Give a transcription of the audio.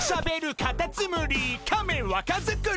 カタツムリカメわか作り」